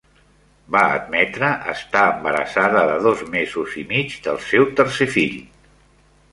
Va admetre estar embarassada de dos mesos i mig del seu tercer fill.